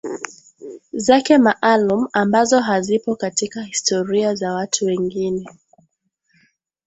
zake maalum ambazo hazipo katika historia za watu wengine